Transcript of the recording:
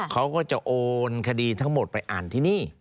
เขาก็จะโอนคดีทั้งหมดไปอ่านที่นี่